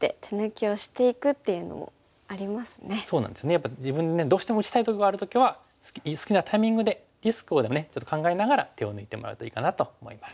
やっぱり自分にどうしても打ちたいとこがある時は好きなタイミングでリスクをちょっと考えながら手を抜いてもらうといいかなと思います。